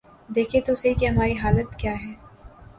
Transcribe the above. دیکھیں تو سہی کہ ہماری حالت کیا ہے۔